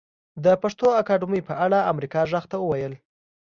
د پښتو اکاډمۍ په اړه امريکا غږ ته وويل